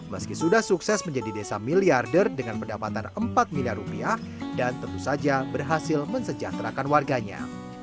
meski sudah sukses menjadi desa miliarder dengan pendapatan empat miliar rupiah dan tentu saja berhasil mensejahterakan warganya